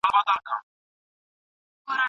د اقبال ستوری بلند دی